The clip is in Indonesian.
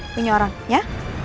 punya orang ya